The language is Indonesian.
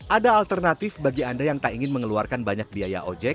ada alternatif bagi anda yang tak ingin mengeluarkan banyak biaya ojek